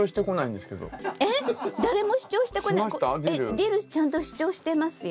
ディルちゃんと主張してますよ。